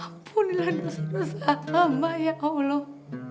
ampunilah dosa dosa amba ya allah